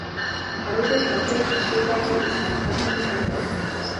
ভারতের সকল সম্প্রদায়ের ইহা সাধারণ ধর্ম।